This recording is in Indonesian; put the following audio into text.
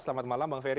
selamat malam bang ferry